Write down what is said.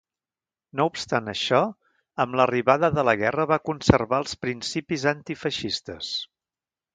No obstant això, amb l'arribada de la guerra va conservar els principis antifeixistes.